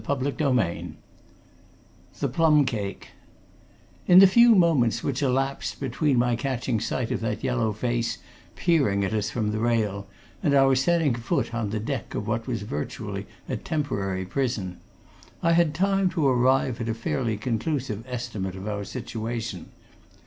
CHAPTER XVIII THE PLUM CAKE In the few moments which elapsed between my catching sight of that yellow face peering at us from the rail and our setting foot on the deck of what was virtually a temporary prison, I had time to arrive at a fairly conclusive estimate of our situation.